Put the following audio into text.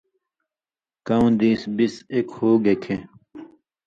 کؤں دیس بِس ایک ہُوگے کھیں